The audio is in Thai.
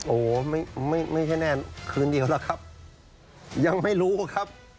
โอ้ไม่ไม่ไม่ใช่แน่นคืนเดียวล่ะครับยังไม่รู้ครับ